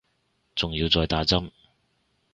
仲要再打針